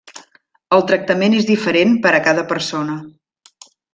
El tractament és diferent per a cada persona.